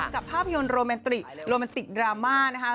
กับภาพยนตร์โรแมนติกโรแมนติกดราม่านะคะ